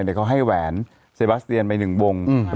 เนี่ยเค้าให้แหวนเซบาสเตียนไปไป๑วง